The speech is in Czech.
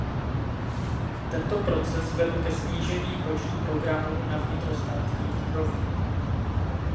Tento proces vedl ke zvýšení počtu programů na vnitrostátní úrovni.